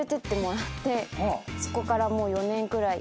そこからもう４年くらい。